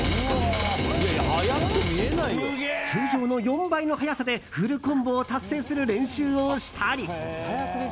通常の４倍の速さでフルコンボを達成する練習をしたり。